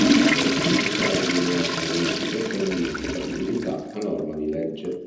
Devono dimostrare di non essere in una situazione di incompatibilità a norma di legge.